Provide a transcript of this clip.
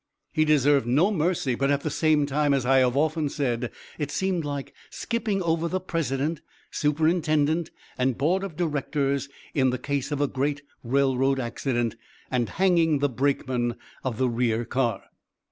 He deserved no mercy, but at the same time, as I have often said, it seemed like skipping over the president, superintendent, and board of directors in the case of a great railroad accident, and hanging the brakeman of the rear car.